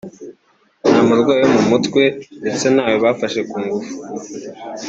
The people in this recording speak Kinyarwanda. nta murwayi wo mu mutwe ndetse ntawe bafashe ku ngufu